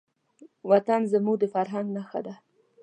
وطن زموږ د فرهنګ نښه ده.